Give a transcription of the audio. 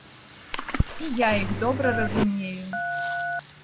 І я іх добра разумею!